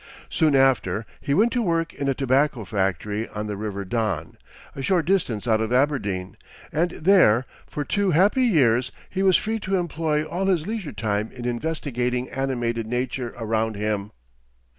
Soon after, he went to work in a tobacco factory on the river Don, a short distance out of Aberdeen, and there for two happy years he was free to employ all his leisure time in investigating animated nature around him.